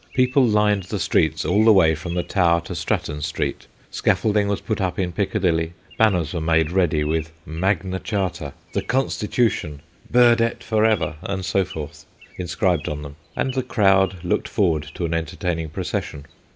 People lined the streets all the way from the Tower to Stratton Street, scaffolding was put up in Piccadilly, banners were made ready with * Magna Charta/ ' The Constitu tion/ 'Burdett for ever/ and so forth, in scribed on them, and the crowd looked forward to an entertaining procession.